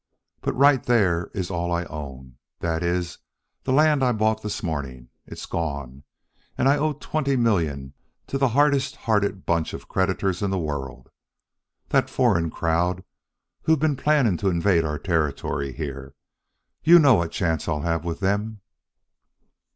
"But right there is all I own that is, the land I bought this morning. It is gone, and I owe twenty million to the hardest hearted bunch of creditors in the world. That foreign crowd, who've been planning to invade our territory here. You know what chance I'll have with them...."